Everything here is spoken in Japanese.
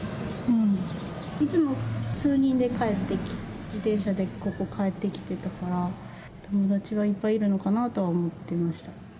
いつも数人で帰って、自転車でここ、帰ってきてたから、友達がいっぱいいるのかなとは思ってました。